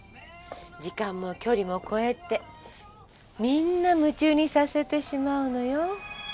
時間も距離も超えてみんな夢中にさせてしまうのよ。